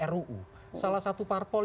ruu salah satu parpol